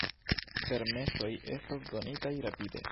Permesoj estos donitaj rapide.